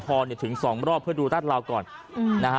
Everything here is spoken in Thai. ปอล์กับโรเบิร์ตหน่อยไหมครับ